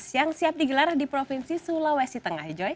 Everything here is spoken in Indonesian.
yang siap digelar di provinsi sulawesi tengah hijau